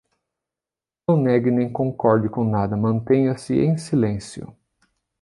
Não negue e nem concorde com nada, mantenha-se em silêncio